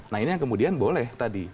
nah ini yang kemudian boleh tadi